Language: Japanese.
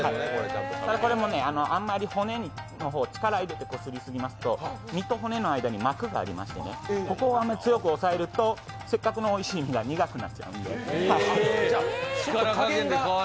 これもあんまり骨の方に力強くこそげますと身と骨の間に膜がありまして、ここを強く押すとせっかくのおいしい身が苦くなっちゃいます。